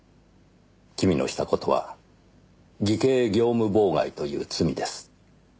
君のした事は偽計業務妨害という罪です。